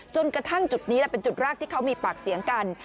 จนกระทั่งจุดนี้เป็นจุดแรกที่เขามีปากเสียงกัน